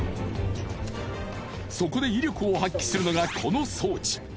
そこで威力を発揮するのがこの装置。